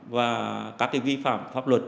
và các vi phạm pháp luật